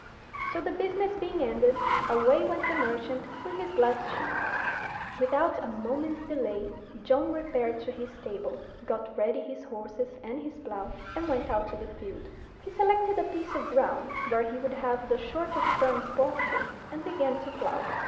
So, the business being ended, away went the merchant with his glass shoe. Without a moment's delay John repaired to his stable, got ready his horses and his plough, and went out to the field. He selected a piece of ground where he would have the shortest turns possible, and began to plough.